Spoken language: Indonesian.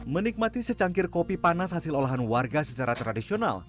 menikmati secangkir kopi panas hasil olahan warga secara tradisional